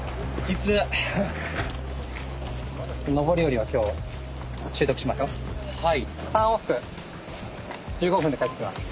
はい。